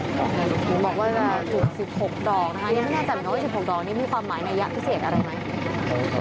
ผมบอกว่าจะจุด๑๖ดอกนะคะนี่ไม่น่าจำเป็นว่า๑๖ดอกนี่มีความหมายในอย่างพิเศษอะไรไหม